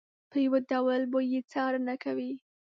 په یو ډول به یې څارنه کوي.